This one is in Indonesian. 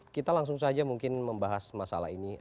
kita langsung saja mungkin membahas masalah ini